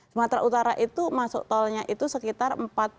sumatera utara itu masuk tolnya itu sekitar empat puluh satu lima ratus